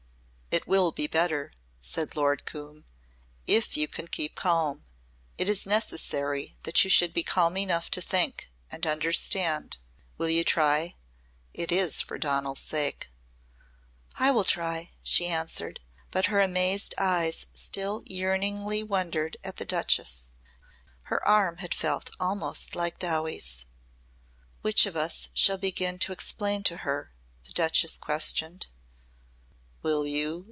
"It will be better," said Lord Coombe, "if you can keep calm. It is necessary that you should be calm enough to think and understand. Will you try? It is for Donal's sake." "I will try," she answered, but her amazed eyes still yearningly wondered at the Duchess. Her arm had felt almost like Dowie's. "Which of us shall begin to explain to her?" the Duchess questioned. "Will you?